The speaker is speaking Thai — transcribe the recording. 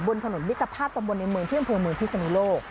บนขนวิทยาภาพตำบลในเมืองเที่ยงพลเมืองพิสมิโล